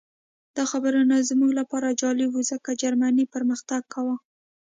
دا خبرونه زموږ لپاره جالب وو ځکه جرمني پرمختګ کاوه